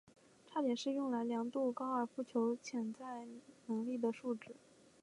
差点是用来量度高尔夫球手潜在能力的数值。